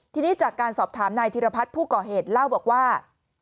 ทีนี้จากการสอบถามนายธิรพัฒน์ผู้ก่อเหตุเล่าบอกว่า